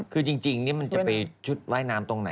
คือจริงมันจะไปชุดว่ายน้ำตรงไหน